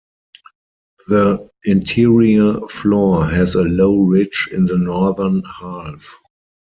The interior floor has a low ridge in the northern half.